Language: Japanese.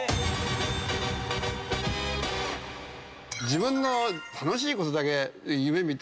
自分の楽しいことだけ夢見てる人。